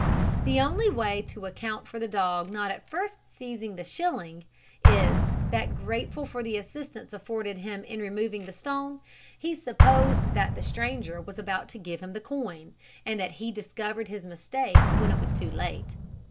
The only way to account for the dog not at first seizing the shilling is, that grateful for the assistance afforded him in removing the stone, he supposed that the stranger was about to give him the coin, and that he only discovered his mistake when it was too late.